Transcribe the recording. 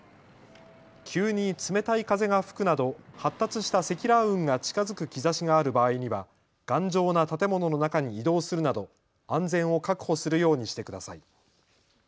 急に冷たい風が吹くなど発達した積乱雲が近づく兆しがある場合には頑丈な建物の中に移動するなど安全を確保するようにしてください。